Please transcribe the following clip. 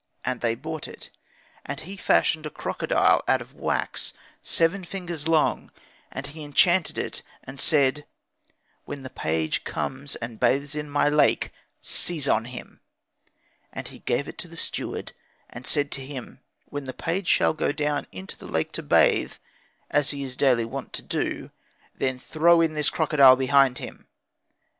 And they brought it; and he fashioned a crocodile of wax, seven fingers long: and he enchanted it, and said, 'When the page comes and bathes in my lake, seize on him.' And he gave it to the steward, and said to him, 'When the page shall go down into the lake to bathe, as he is daily wont to do, then throw in this crocodile behind him.'